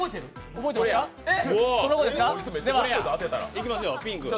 いきますよ、ピンク。